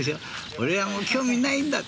こりゃ、もう興味ないんだ。